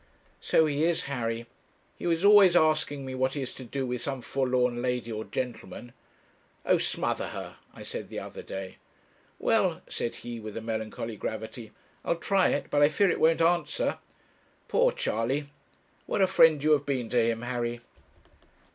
'So he is, Harry; he is always asking me what he is to do with some forlorn lady or gentleman, 'Oh, smother her!' I said the other day. 'Well,' said he, with a melancholy gravity, 'I'll try it; but I fear it won't answer.' Poor Charley! what a friend you have been to him, Harry!'